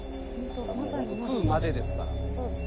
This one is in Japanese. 「食うまでですから」